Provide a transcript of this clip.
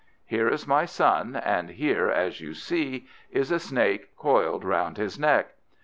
Here is my son, and here, as you see, is a Snake coiled round his neck.